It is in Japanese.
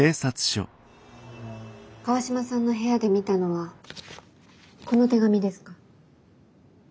川島さんの部屋で見たのはこの手紙ですか？